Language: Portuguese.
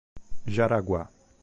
Jaraguá